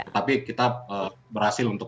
tapi kita berhasil untuk